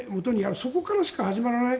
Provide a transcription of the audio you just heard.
そこからでしか始まらない。